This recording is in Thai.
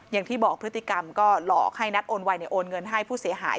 อย่างที่บอกพฤติกรรมก็หลอกให้นัดโอนไวโอนเงินให้ผู้เสียหาย